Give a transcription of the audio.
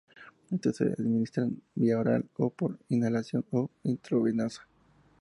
Estos se administran vía oral, por inhalación o intravenosa.